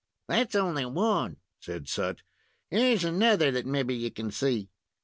"That's only one," said Sut. "Here's another that mebbe you can see."